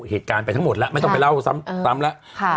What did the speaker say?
เหตุการณ์ไปทั้งหมดแล้วไม่ต้องไปเล่าซ้ำแล้ว